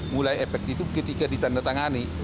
mulai efek itu ketika ditanda tangan